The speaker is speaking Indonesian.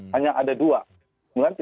hanya ada dua